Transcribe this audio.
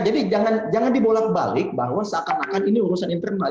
jangan dibolak balik bahwa seakan akan ini urusan internal